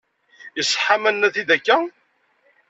Iṣeḥḥa ma nenna-t-id akka?